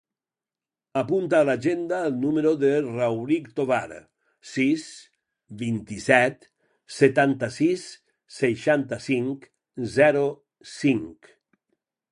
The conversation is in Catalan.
Apunta a l'agenda el número del Rauric Tovar: sis, vint-i-set, setanta-sis, seixanta-cinc, zero, cinc.